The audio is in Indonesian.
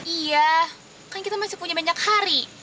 iya kan kita masih punya banyak hari